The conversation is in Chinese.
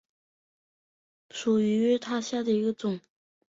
斜肩芋螺为芋螺科芋螺属下的一个种。